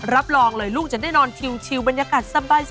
รับรองเลยลูกจะได้นอนชิวบรรยากาศสบาย